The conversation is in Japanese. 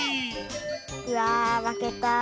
うわまけた。